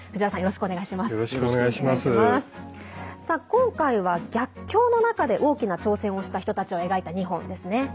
今回は、逆境の中で大きな挑戦をした人たちを描いた２本ですね。